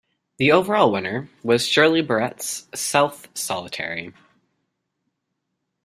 The overall winner was Shirley Barrett's "South Solitary".